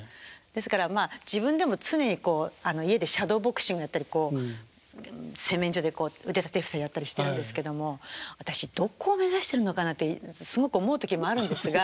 ですからまあ自分でも常に家でシャドーボクシングやったりこう洗面所で腕立て伏せやったりしてるんですけども私どこを目指してるのかなってすごく思う時もあるんですが。